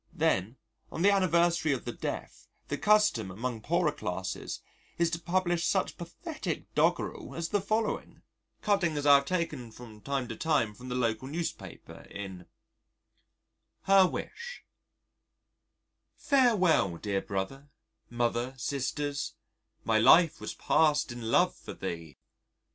Then on the anniversary of the death the custom among poorer classes is to publish such pathetic doggerel as the following cuttings I have taken from time to time from the local newspaper in : "Her wish: "'Farewell dear brother, Mother, sisters, My life was passed in love for thee.